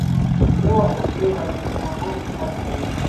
Weewale okubeera mu misango buli kadde.